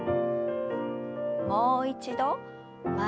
もう一度前へ。